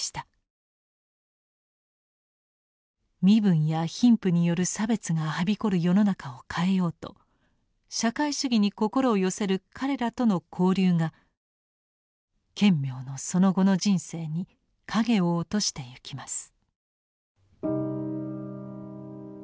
身分や貧富による差別がはびこる世の中を変えようと社会主義に心を寄せる彼らとの交流が顕明のその後の人生に影を落としてゆきます。